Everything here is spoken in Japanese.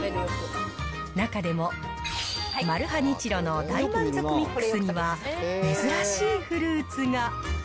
中でも、マルハニチロの大満足ミックスには、珍しいフルーツが。